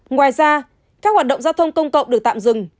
ngoài ra các hoạt động giao thông công cộng được tạm dừng